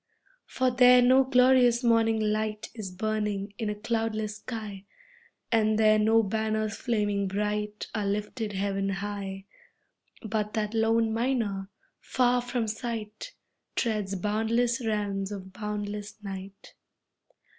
For there no glorious morning light Is burning in a cloudless sky And there no banners flaming bright, Are lifted heaven high, But that lone miner, far from sight, Treads boundless realms of boundless night.